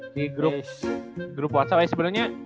di grup whatsapp ya sebenernya